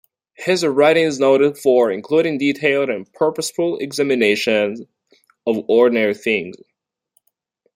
His writing is noted for including detailed and purposeful examination of ordinary things.